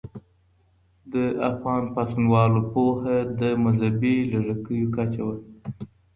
د افغان پاڅونوالو پوهه د مذهبي لږکیو کچه وه.